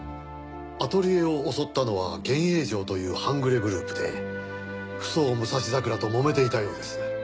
アトリエを襲ったのは幻影城という半グレグループで扶桑武蔵桜ともめていたようです。